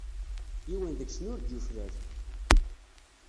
Yiwen deg-sen ur-d yuflal.